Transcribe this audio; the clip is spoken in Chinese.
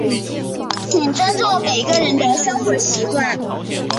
请尊重每个人的生活习惯。